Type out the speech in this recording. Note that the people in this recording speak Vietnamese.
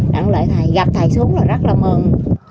đặng lợi thầy gặp thầy xuống là rất là mừng